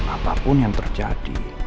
apapun yang terjadi